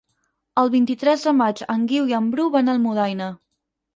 El vint-i-tres de maig en Guiu i en Bru van a Almudaina.